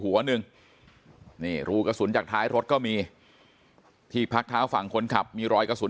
หัวหนึ่งนี่รูกระสุนจากท้ายรถก็มีที่พักเท้าฝั่งคนขับมีรอยกระสุน